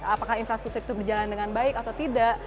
apakah infrastruktur itu berjalan dengan baik atau tidak